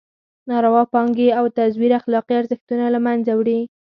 ناروا پانګې او تزویر اخلاقي ارزښتونه له مېنځه وړي.